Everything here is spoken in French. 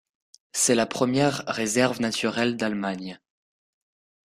C'est la première réserve naturelle d'Allemagne.